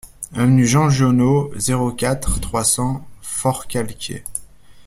Avenue Jean Giono, zéro quatre, trois cents Forcalquier